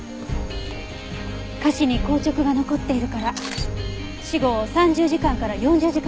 下肢に硬直が残っているから死後３０時間から４０時間といったところね。